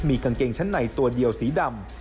มีกางเกงชั้นในตัวเดียวสีดำ